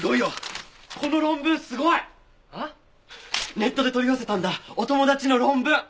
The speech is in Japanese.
ネットで取り寄せたんだお友達の論文。